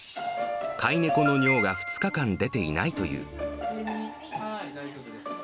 飼い猫の尿が２日間出ていないという。